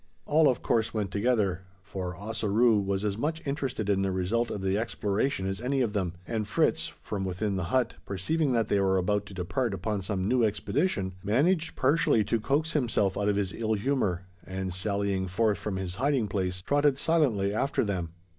All, of course, went together: for Ossaroo was as much interested in the result of the exploration as any of them; and Fritz, from within the hut, perceiving that they were about to depart upon some new expedition, managed partially to coax himself out of his ill humour; and, sallying forth from his hiding place, trotted silently after them.